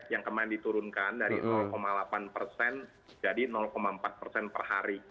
yang kemarin diturunkan dari delapan persen jadi empat persen per hari